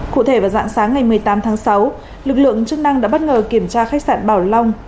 cụ thể vào dạng sáng ngày một mươi tám tháng sáu lực lượng chức năng đã bất ngờ kiểm tra khách sạn bảo long